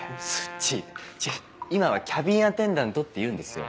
今はキャビンアテンダントっていうんですよ。